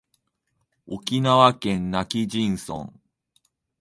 沖縄県今帰仁村